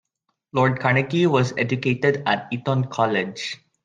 Lord Carnegie was educated at Eton College.